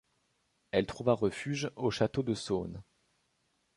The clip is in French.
Elle trouva refuge au château de Saône.